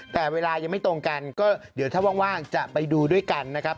แต่เวลายังไม่ตรงกันก็เดี๋ยวถ้าว่างจะไปดูด้วยกันนะครับ